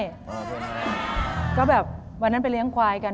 ก็แบบวันนั้นไปเลี้ยงควายกัน